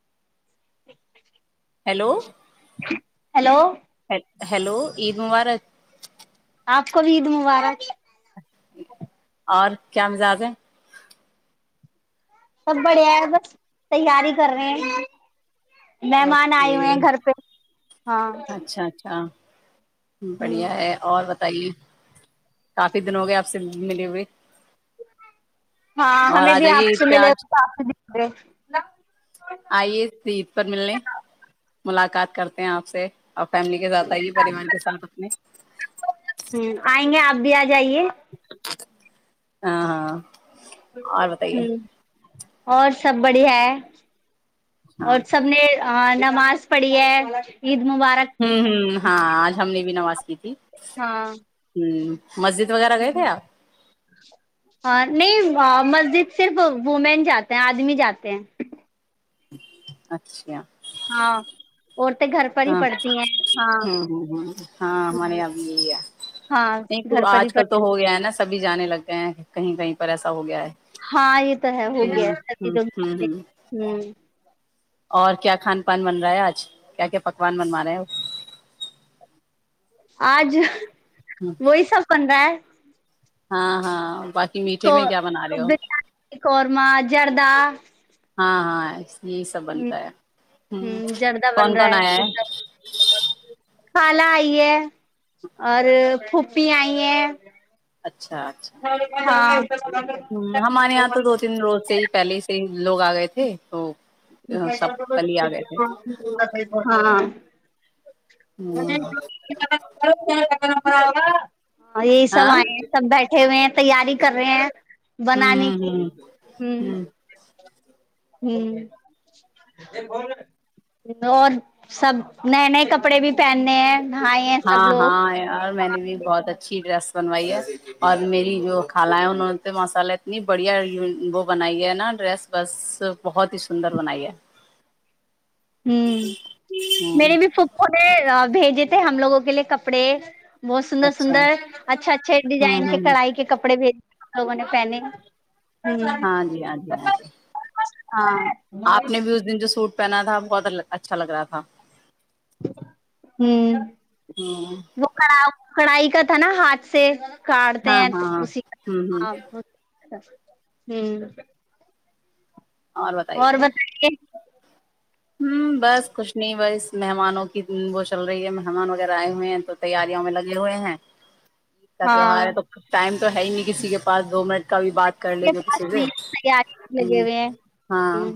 [inaudible] Hello hello hello Eid مبارک آپ کو بھی عید مبارک اور کیا مزاج ہے سب بڑھیا ہے بس تیاری کر رہے ہیں مہمان آئے ہوئے اوکے ہیں گھر پہ ہاں اچھا اچھا ہ بڑھیا ہے اور تئیے کافی دن ہو گئے آپ سے ملی ہوئی ہاں اور ہمیں آ بھی جائیے آپ سے عید پہ آج ملےا آپ آئیے عید پر ملنے ملاقات کرتے ہیں آپ سے اور فیملی کے ساتھ س ہی پریمان کے ساتھ اپنے [unintelligible] ہ آئیں گے آپ بھی [unintelligible] جائیے [unintelligible] ہاں ہاں اور بتائیے ہوں [unintelligible] اور سب بڑھیا ہے ہاں اور سب نے آ نماز پڑے [unintelligible] ہوں ہ ہاں آج ہم نے بھی نماز کی تھی ہاں ہ مسجد وغیرہ گئے تھے آپ ہاں [unintelligible] نہیں مسجد صرف وومین جاتے ہیں آدمی جاتے ہیں [unintelligible] اچھا [unintelligible] ہاں [unintelligible] پر ہی ہاں پڑتی ہیں ہاں ہ ہ ہ ہاں ہمارے یہاں یہی ہے ہاں نہیں تو گھر پر ہی آج کل پڑتی تو ہو گیا ہے نا سب بھی جانے لگ گئے ہیں کہیں کہیں پر ایسا ہو گیا ہے [unintelligible] ہاں یہ تو ہے ہو گیا ہوں ہوں ہوں ہوں ہ اور کیا کھان پان بن رہا ہے آج کیا کیا پکوان بنوا رہے ہیں وہ آج وہی سب پن رہا ہے ہاں ہاں ب [unintelligible] کو بریانی قورما جردہ ہاں ہاں یہی سب ہ بنتا ہے ہوں جردہ کون بن رہا کون آیا ہے کالا آئی ہے اور پھپی آئی ہے اچھا اچھا ہاں ہاں ہ ہمارے یہاں تو دو تین روز سے ہی پہلے ہی سے ہی لوگ آ گئے تھے تو سب کل ہی آ گئے تھے [inaudible] [inaudible] [inaudible] یہی سب ہاں آئے ہیں سب بیٹھے ہوئے ہیں تیاری کر رہے ہیں بنانے ہ کی ہ ہاں اور سب نئے نئے کپڑے بھی پہنے ہاں ہاں اور میں نے بھی بہت اچھی ڈریس بنوائی ہے اور میری جو خال ہے انہوں نے تو مسالا اتنی بڑھیا وہ بنائی ہے نا ڈریس بس بہت ہی سندر بنائی ہے ہ میرے بھی پے بھیجے تھ ہم لوگوں کے لیے کپڑے بہت سندر اچھا سندر اچھا اچھے ہوں ڈزائن ہ کے ہ کڑائی کے کپڑے بھی تو مہینے پنک ہاں جی جی ہاں جی ہاں آپ نے بھی اس دن جو سوٹ پہنا تھا بہت اچھا لگ رہا تھا ہاں وہ کڑا کڑائی کا تھا نا ہاتھ سے کاٹتے ہاں ہیں ہاں ہاں اسی ہوں کا ہ ہاں اور بتائیے ہوں بس کچھ نہیں بس مہمانوں کی وہ چل رہی ہے مہمان وغیرہ آئے ہوئے ہیں تو تیاریوں میں لگے ہوئے ہیں عید کا تہوہار ہاں ہے تو ک ٹائم تو ہے ہی نہیں کسی کے پاس دو منٹ کا بھی بات کر لے جو پاس کسی سے نہیں آ لگے ہ ہوئے ہیں ہاں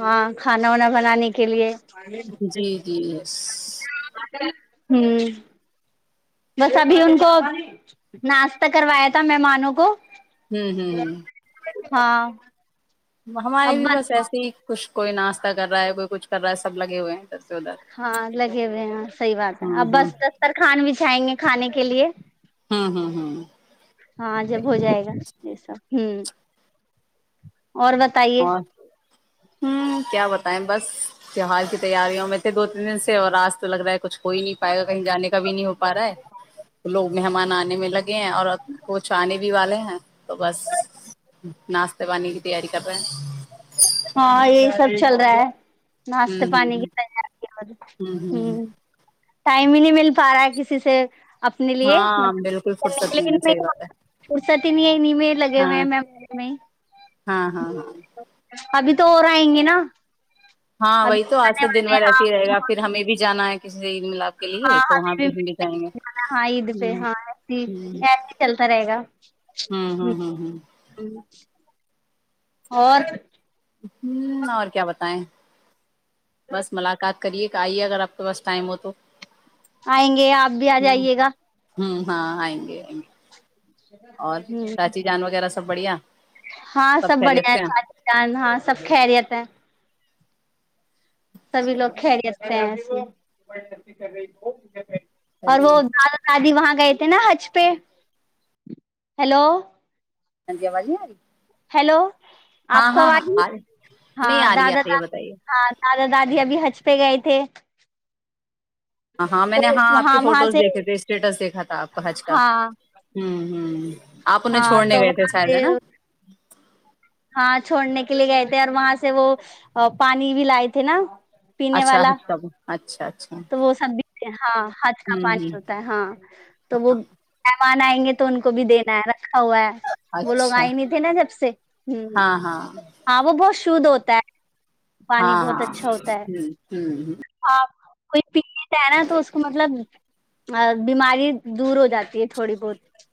ہاں کھانا وانا بنانے کے لیے جی جی یس ہوں بس ابھی ان کو ناشتہ کروایا تھا مہمانوں کو ہوں ہوں ہ ہاں اب ہمارے بھی بن بس ایسے ہی کچش کوئی ناشہ کر رہا ہے کوئی کچھ کر رہا ہے سب لگے ہوئے ہیں سے ادھر ہاں لگے ہوئے ہیں صحیح بات ہے ہوں اب ہوں بس دستر خوان بھی چھائیں گے کھانے کے لیے ہوں ہوں ہوں ہاں جب ہو جائے گا یہ سب ہوں اور بتائیے اور ہوں کیا بتا بس تیوار کی تیاریوں میں تھے دو تین دن سے اور آج تو لگ رہا ہے کچھ کوئی نہیں پائے گا کہیں جانے کا بھی نہیں ہو پا رہا ہے لوگ مہمان آنے میں لگ ہیں اور کچھ آنے بھی والے ہیں تو بس ناشتے پانی کی تیاری کب ہاں یہی سب چل رہا ہے ناشتے پانی ہوں کی ہ ہ ہ ہ ہوں ٹائم ہی نہیں مل پا رہا ہے کسی سے اپنے لیے ہاں بالکل فرصت مبنے نہیں ہے لیے صحیح بات ہے س نہیں میں لگے ہوئے ہیں ہاں ممان ہاں ہاں ہاں میں ابھی تو اور آئیں گے نا ہاں وہی ابھی تو آج ت آنے دن والے بھر ہیں۔ رہتی ہے رہائے گا ہاں پھر ہمیں بھی جانا ہے اس ہاں ہم بھیا ہاں عید پہ ہاں ای ہی ایسے ہی چلتا رہے گا ہوں ہ ہ اور ہوں اور کیا بتائیں بس ملاقات کرے کہ آئیے اگر آپ کے پاس ٹائم ہو تو آئیں گے آپ بھی آ جائیے گا ہوں ہاں آئیں گے آئیں گے اور ہ چاچی جان وغیرہ سب بڑھیا ہاں سب بڑھیا خیریت ہے سے ہیں چا چان ہاں سب خیریت ہے سبھی لوگ کھیل آ ہیں س ل اور وہ چلیے ہاں دال دادی وہاں گئے تھے نا حج پہ ہیلو ہاں جی آوازی آی ہیلو [unintelligible] آپ کو آ رہی نہیں ہاں آ رہی آ دادا رہی ہے داد بتائیے ہاں دادا دادی ابھی حج [unintelligible] سے گ تھے [inaudible] ہاں ہاں میں تو نے ہاں آپ کے وہاں وہاں فوٹوز سے دیکھے تھے اسٹیٹس دیکھا تھا آپ کا حج کا ہاں ہ ہ [unintelligible] آپ انہیں ہاں چھوڑنے تو گئے تھے وہاں شاید سے ہے نا [unintelligible] ہاں چھوڑنے کے لیے گئے تھے اور وہاں سے وہ پانی بھی لائے تھے نا [unintelligible] اچھا والا اچھا اچھا [unintelligible] تو وہ س [unintelligible] ہاں [inaudible] ہد کا ہوں پانی ہوں ہوتا ہے ہاں تو وہ [unintelligible] مان آئیںے تو ان کو بھی دینا ہے نا [unintelligible] ا وہ لوگ اچھا آئے نہیں تھے نا جب سے ہ ہاں ہاں آ وہ بہت [unintelligible] شد ہوتا ہے [unintelligible] پانی ہاں ہاں بہت ہ ہ اچھا ہوتا ہے [unintelligible] ہاں کوئی پیتا ہے نا تو اس کو مطلب بیماری دور ہو جاتی ہے تھوڑی بہت [unintelligible]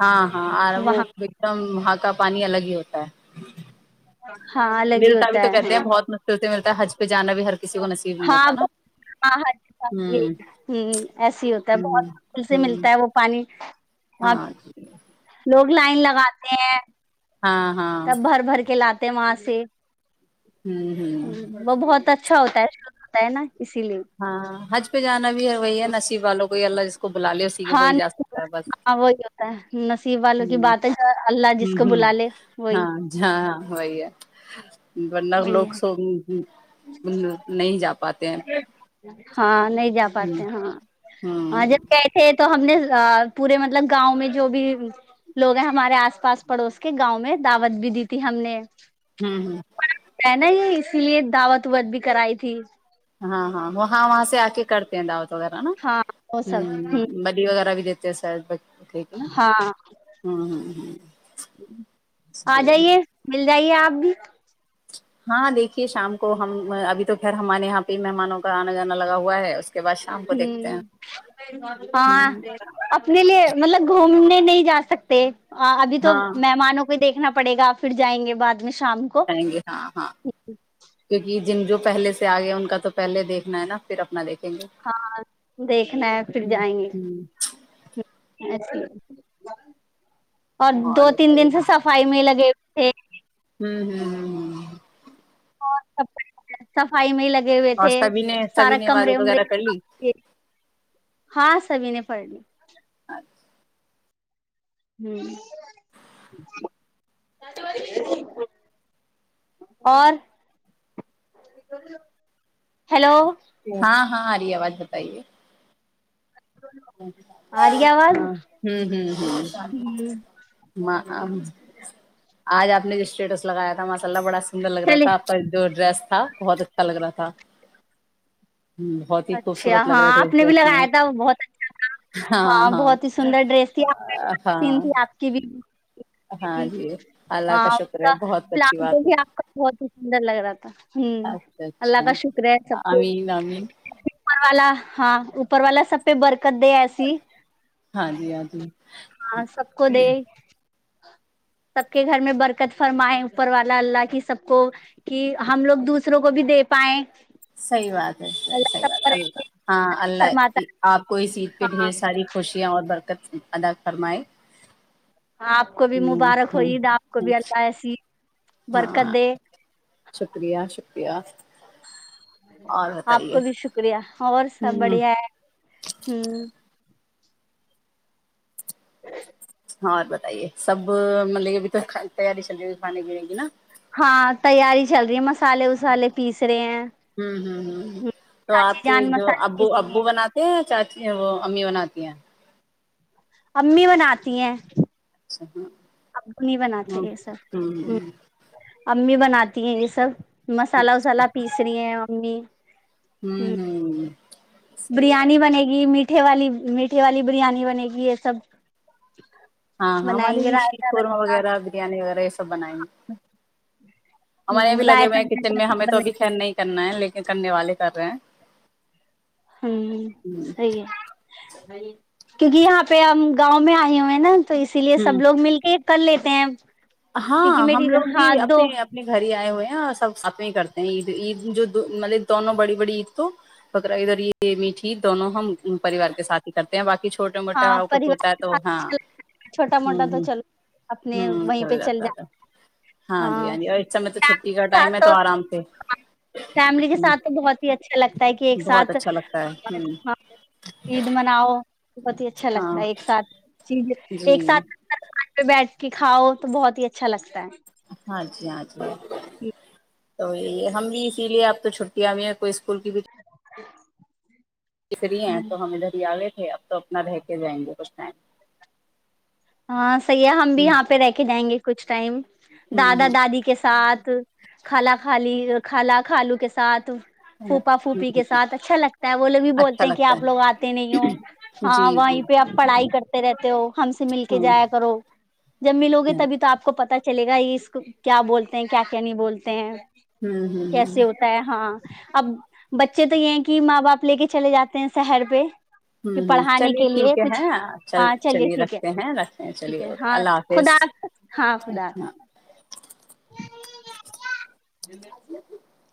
ہاں ہاں آر وہ وہاں وکرم [unintelligible] وہاں کا پانی الگ ہی ہوتا ہے [unintelligible] ہاں الگ ہی ملتا ہوتا بھی تو ہے کہتے ہیں بہت مشکل سے ملتا ہے حج پہ جانا بھی ہر کسی کو نصیب نہیں ہاں ہوتا نا ہاں ہ ہ ہوں ایس ہی ہوتا ہے ہوں بہتل سے ہوں ملتا ہے وہ پانی [unintelligible] ہاں جی [unintelligible] لوگ لائن لگاتے ہیں [unintelligible] ہاں تب بھر بھر کے لاتے [unintelligible] م سےے ہوں [unintelligible] ہوں ہ وہ بہت اچھا [unintelligible] اچھا ہوتا ہے ش ہوتا ہے نا [unintelligible] ہاں حج پہ جانا بھی وہی ہے [unintelligible] نصیب والوں کوئی اللہ [unintelligible] کو بلا لو س کہ ہاں وہی جا سکتا ہے بس [unintelligible] ی والوں کی بات ہے اللہ جس ہوں کو ہوں بلا لے وہی ہاں ہاں وہی ہے [unintelligible] ہاں [inaudible] وہی لوگ ہے سو نہیں جا پاتے ہیں ہاں نہیں جا ہوں پاتے ہاں ہاں ہوں جب گئے تھے تو ہم نے [unintelligible] پورے مطلب گاؤں میں جو بھی لوگ ہیں ہمارے آس پاس پڑوس کے گاؤں میں دعوت بھی دی تھی ہم نے [unintelligible] ہوں ہوں [unintelligible] ہے نا یہ اسی لیے دعوت ووت بھی کرائی تھی [unintelligible] ہاں ہاں وہاں وہاں سے آک کرتے ہیں داوت وغیرہ نا ہ ہاں وہ سب ہ بلیی وغیرہ بھی دیتے سر بچ ہاں آ صحیح ہے جائیے مل جائیے آپ بھی ہاں دیکھیے شام کو ہم ابھی تو پھر ہمارے یہاں پہ مہمانوں کا آنا جانا لگا ہوا ہے کے بعد شام کو دیکھتے ہیں ہ ہاں ہوں اپنے لیے مطلب گ گھومنے نہیں جا سکتے ابھی تو ہاں مہمانوں کو دیکھ نا پڑے گاپ پھر جائیں گے بع میں شام کو جائیں گے ہاں ہاں کیونکہ جن جو پہل سے آگیا ان کا تو پہلے دیکھنا ہے نا پھر اپنا دیکھنا ہاں دیکھنا ہے پھر ہوں جائیں گے ہوں اچ اور دو تین دن سے صفائی میں لگے ہاں ہوں ہ ہ ہ اور سب سفائی میں ہی لگ لگے ہوئے اور تھے سبھی نے سبھی سارا نے کمرے عبادت ومرے وغیرہ کر لی س ہاں سبھی نے فائڈ ہ اور ہیلو ہاں ہاں آ آواز بتائیے ہاں رہی ہے آواز ہوں ہ ہ ہ [unintelligible] آج آپ نے جو اسٹیٹس لگایا تھا ماسال اللہ بڑا سندر لگ رہا چلے تھا آپ کا جو ڈریس تھا بہت اچھا لگ رہا تھا بہت ہی اچھا خوبصورت لگ ہاں رہے تھے آپ اس نے بھی ڈریس میں لگایا تھا بہت اچھا ہاں بہت ہی سندر ڈریس تھی آپ ہاں سین تھی آپ کی بھی ہاں جی اللہ ہاں اس شکر ہے کا بہت اچھی پلازو بات ہے بھی آپ کا بہت ہی سندر لگ رہا تھا ہوں اچھا اللہ اچھا کا شکر ہے سب کو امین امین امر والا [unintelligible] ہاں اوپر والا سب پہ برکت دے ایسی ہاں جی ہاں جی ہاں سب کو دے سب کے گھر میں برکت فرمائے اوپر والا اللہ کی سب کو کہ ہم لوگ دوسروں کو بھی دے پائائے صحیح بات ہے صحیح صحیح بات ہے اللہ ایسے ہاں فرماتا اللہ ہے آپ کو اس عید پہ ڈھیر ہاں ساری خوشیاں اور برکت ادااک فرمائ [unintelligible] ہاں آپ کو بھی مبارک ہو عید آپ کو ہوں بھی اللہ حسید [unintelligible] ہاں شکریہ شک کیایا آپ کو بھی شکریہ اور سب ہوں بڑھیا ہے ہ ہاں اور بتائیے سب مطلب کہ ابھی تو تیاری چل جائے گی کھانے پینے کی نا ہاں تیاری چل رہی ہے مسالے وسالے پیس رہے ہیں ہوں ہوں ہوں ہ [unintelligible] تو آپ چاچی کے جان جو مسالے ابو پیس رہی ابو ہیں بناتے ہیں چاچی یہ وہ امی بناتی ہیں امی بناتی ہیں اچھا ہاں ابو نہیں بناتے ہاں یہ ہ سب [unintelligible] امی بناتی ہیں یہ سب مسالہ وسالا پیس رہی ہیں ممی [unintelligible] ہوں ہوں صحیح ہے بریانی بنے گی [unintelligible] می میٹھے والی میٹھے والی بریانی بنے گی یہ سب ہاں ہاں بنائیں ہماریے گے بھی شیخ رائتا قورما بنے گا وغیرہ بریانی وغیرہ یہ سب بنائیں گے ہمار یہ ہ بھی لگے ہوئے رائتا ہیں کچن میں ہمیں تو بنے ابھی خین نہیں کرنا ہے لیکن کرنے والالے کر رہے ہیں ہوں سی ہے کیونکہ یہاں پہ ہم گاؤں میں آئے ہو ہیں نا تو اسی لیے سب ہوں لوگ مل کے کر لیتے ہیں کیونکہ ہاں میری ہم لوگ بھی ہاتھ اپنے دو اپنے گھر ہی آئے ہوئے ہیں سب سات میں ہی کرتے ہیں عید عید جو مطلب دونوں بڑی بڑی عید تو بکرا عید اور یہ میٹھی دونوں ہم پریوار کے سات ہی کرتے ہیں باقی جو ہاں پریوار کے ساتھ چھوٹا موٹا ہوں تو ہوں چلو اپنے ہوں وہیں پہ چل چل جا ہاں جی ہاں جی اور اس سمے تو چھٹی فیملی کا کے ٹم ساتھ ہے تو آرام سے ہ تا ہے کہ ایک بہت ساتھ اچھا لگتا ہے عید مناؤ بہت ہی اچھا ہاں لگتا ہے ایک ساتھ چیز جی ایک ساتھ [inaudible] پہ بیٹھ کے کھؤ تو بہت ہی اچھا لگتا ہے ہاں جی ہاں جی تو یہ ہم بھی اسی لیے اب تو چھوٹیں بھی ہے کوئی اسکول کی بھی [inaudible] فیری ہیں تو ہم ادھر آگے اب تو اپنا رہ کے جائیں گے کچھ ٹائم ہاں سصیح ہے ہم بھی یہاں پہ رہ کے جائیں گے کچھ ٹائم دادا ہوں دادی کے ساتھ خالا خالی خالا کالو کے ساتھ ہوں پھوپا پھوپی کے ساتھ اچھا لگتا ہے وہ لوگ بھی اچھا بولتے ہیں کہ لگتا آپ لوگ ہے آتے نہیں ہو ہاں جی جی وہیں پہ آپ پڑھائی کرتے رہتے ہو ہاں کے ہوں جایا کرو جب ملو گے ہوں تبھی تو آپ کو پتا چلے گا یہ اس کو کیا بولتے ہیں کیا کیا نہیں بولتے ہیں ہوں ہوں ہوں کیسے ہوتا ہے ہاں اب بچے تو یہ ہے کہ ماں باپ لے کے چلے جاتے ہیں شہر پہ کہ ہوں ہ پڑھانے چلیے کے ٹھیک لیے کچھ ہے چل ہاں چلیے ٹھیک ہے رکھتے ہیں رکھتے ہیں ٹھیک چلیے ہے اوکے ہاں اللہ حافظ خدا حافظ. ہاں خدا ہ [inaudible]